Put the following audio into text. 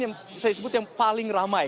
yang saya sebut yang paling ramai